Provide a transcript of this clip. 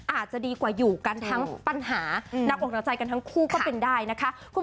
อาจจะดีกว่าอยู่กันทั้งปัญหาหนักอกหนักใจกันทั้งคู่ก็เป็นได้นะคะ